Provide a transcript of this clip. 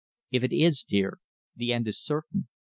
If it is, dear, the end is certain.